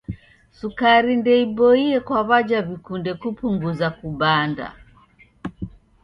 Sukari ndeiboie kwa w'aja w'ikunde kupunguza kubanda.